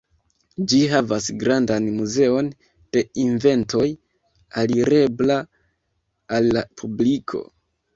Ĝi havas grandan muzeon de inventoj alirebla al la publiko.